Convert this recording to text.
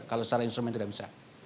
kalau secara instrumen tidak bisa